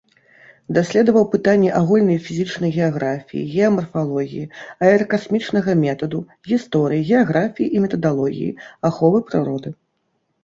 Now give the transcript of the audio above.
Даследаваў пытанні агульнай фізічнай геаграфіі, геамарфалогіі, аэракасмічнага метаду, гісторыі, геаграфіі і метадалогіі, аховы прыроды.